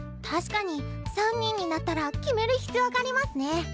確かに３人になったら決める必要がありマスね。